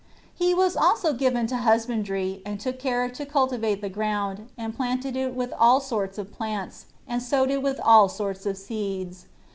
He was also given to husbandry, and took care to cultivate the ground, and planted it with all sorts of plants, and sowed it with all sorts of seeds.